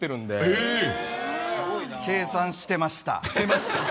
計算してました！